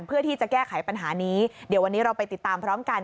เพื่อที่จะแก้ไขปัญหานี้เดี๋ยววันนี้เราไปติดตามพร้อมกัน